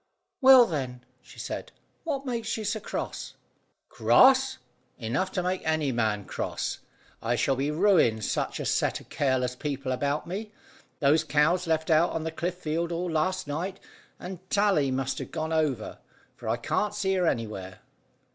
"Well, then," she said, "what makes you so cross?" "Cross! Enough to make any man cross. I shall be ruined such a set of careless people about me. Those cows left out on the cliff field all last night, and Tally must have gone over, for I can't see her anywhere."